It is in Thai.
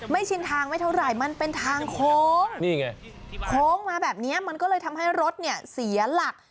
ชินทางไม่เท่าไหร่มันเป็นทางโค้งนี่ไงโค้งมาแบบนี้มันก็เลยทำให้รถเนี่ยเสียหลัก